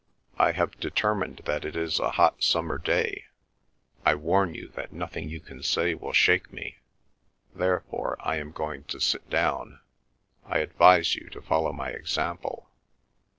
I have determined that it is a hot summer day; I warn you that nothing you can say will shake me. Therefore I am going to sit down. I advise you to follow my example."